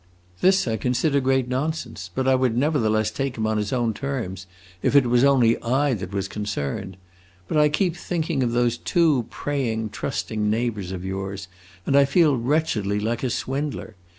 This I consider great nonsense; but I would nevertheless take him on his own terms if it was only I that was concerned. But I keep thinking of those two praying, trusting neighbors of yours, and I feel wretchedly like a swindler.